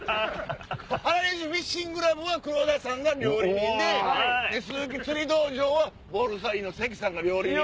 原西フィッシングクラブは黒田さんが料理人で鈴木釣り道場はボルサリーノ・関さんが料理人。